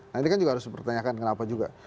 nah ini kan juga harus dipertanyakan kenapa juga